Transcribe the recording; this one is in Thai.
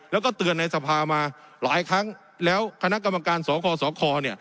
แล้วก็เตือนในสภามาหลายครั้งแล้วคณะกรรมการสคสคเนี่ย